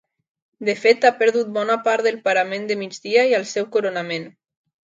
De fet ha perdut bona part del parament de migdia i el seu coronament.